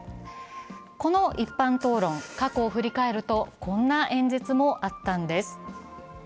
この一般討論、過去を振り返るとこんな演説もあったんです。